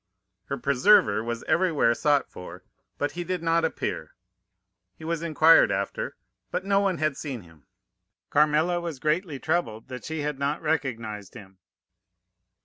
"Her preserver was everywhere sought for, but he did not appear; he was inquired after, but no one had seen him. Carmela was greatly troubled that she had not recognized him.